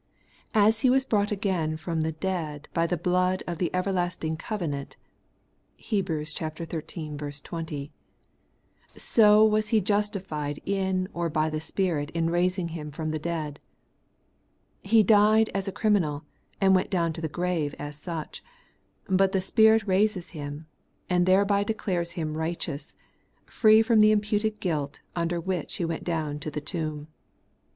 As He was brought again from the dead by the blood of the everlasting covenant (Heb. xiii. 20), so was He justified in or by the Spirit in raising Him from the dead. He died as a criminal, and went down to the grave as such ; but the Spirit raises Him, and thereby de clares Him righteous, free from the imputed guilt under which He went down to the tomb.